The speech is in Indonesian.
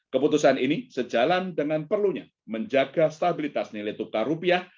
keputusan ini sejalan dengan perlunya menjaga stabilitas nilai tukar rupiah